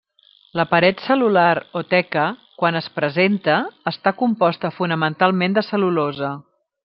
La paret cel·lular o teca, quan es presenta, està composta fonamentalment de cel·lulosa.